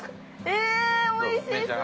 おいしそう。